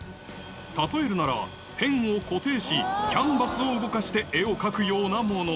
例えるならペンを固定しキャンバスを動かして絵を描くようなもの